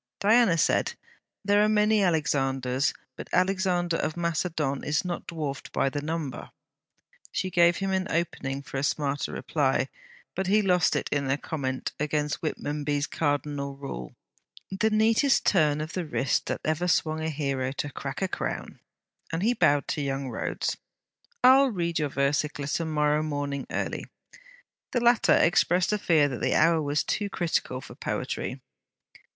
Diana said: 'There are many Alexanders, but Alexander of Macedon is not dwarfed by the number.' She gave him an opening for a smarter reply, but he lost it in a comment against Whitmonby's cardinal rule: 'The neatest turn of the wrist that ever swung a hero to crack a crown!' and he bowed to young Rhodes: 'I 'll read your versicler to morrow morning early.' The latter expressed a fear that the hour was too critical for poetry.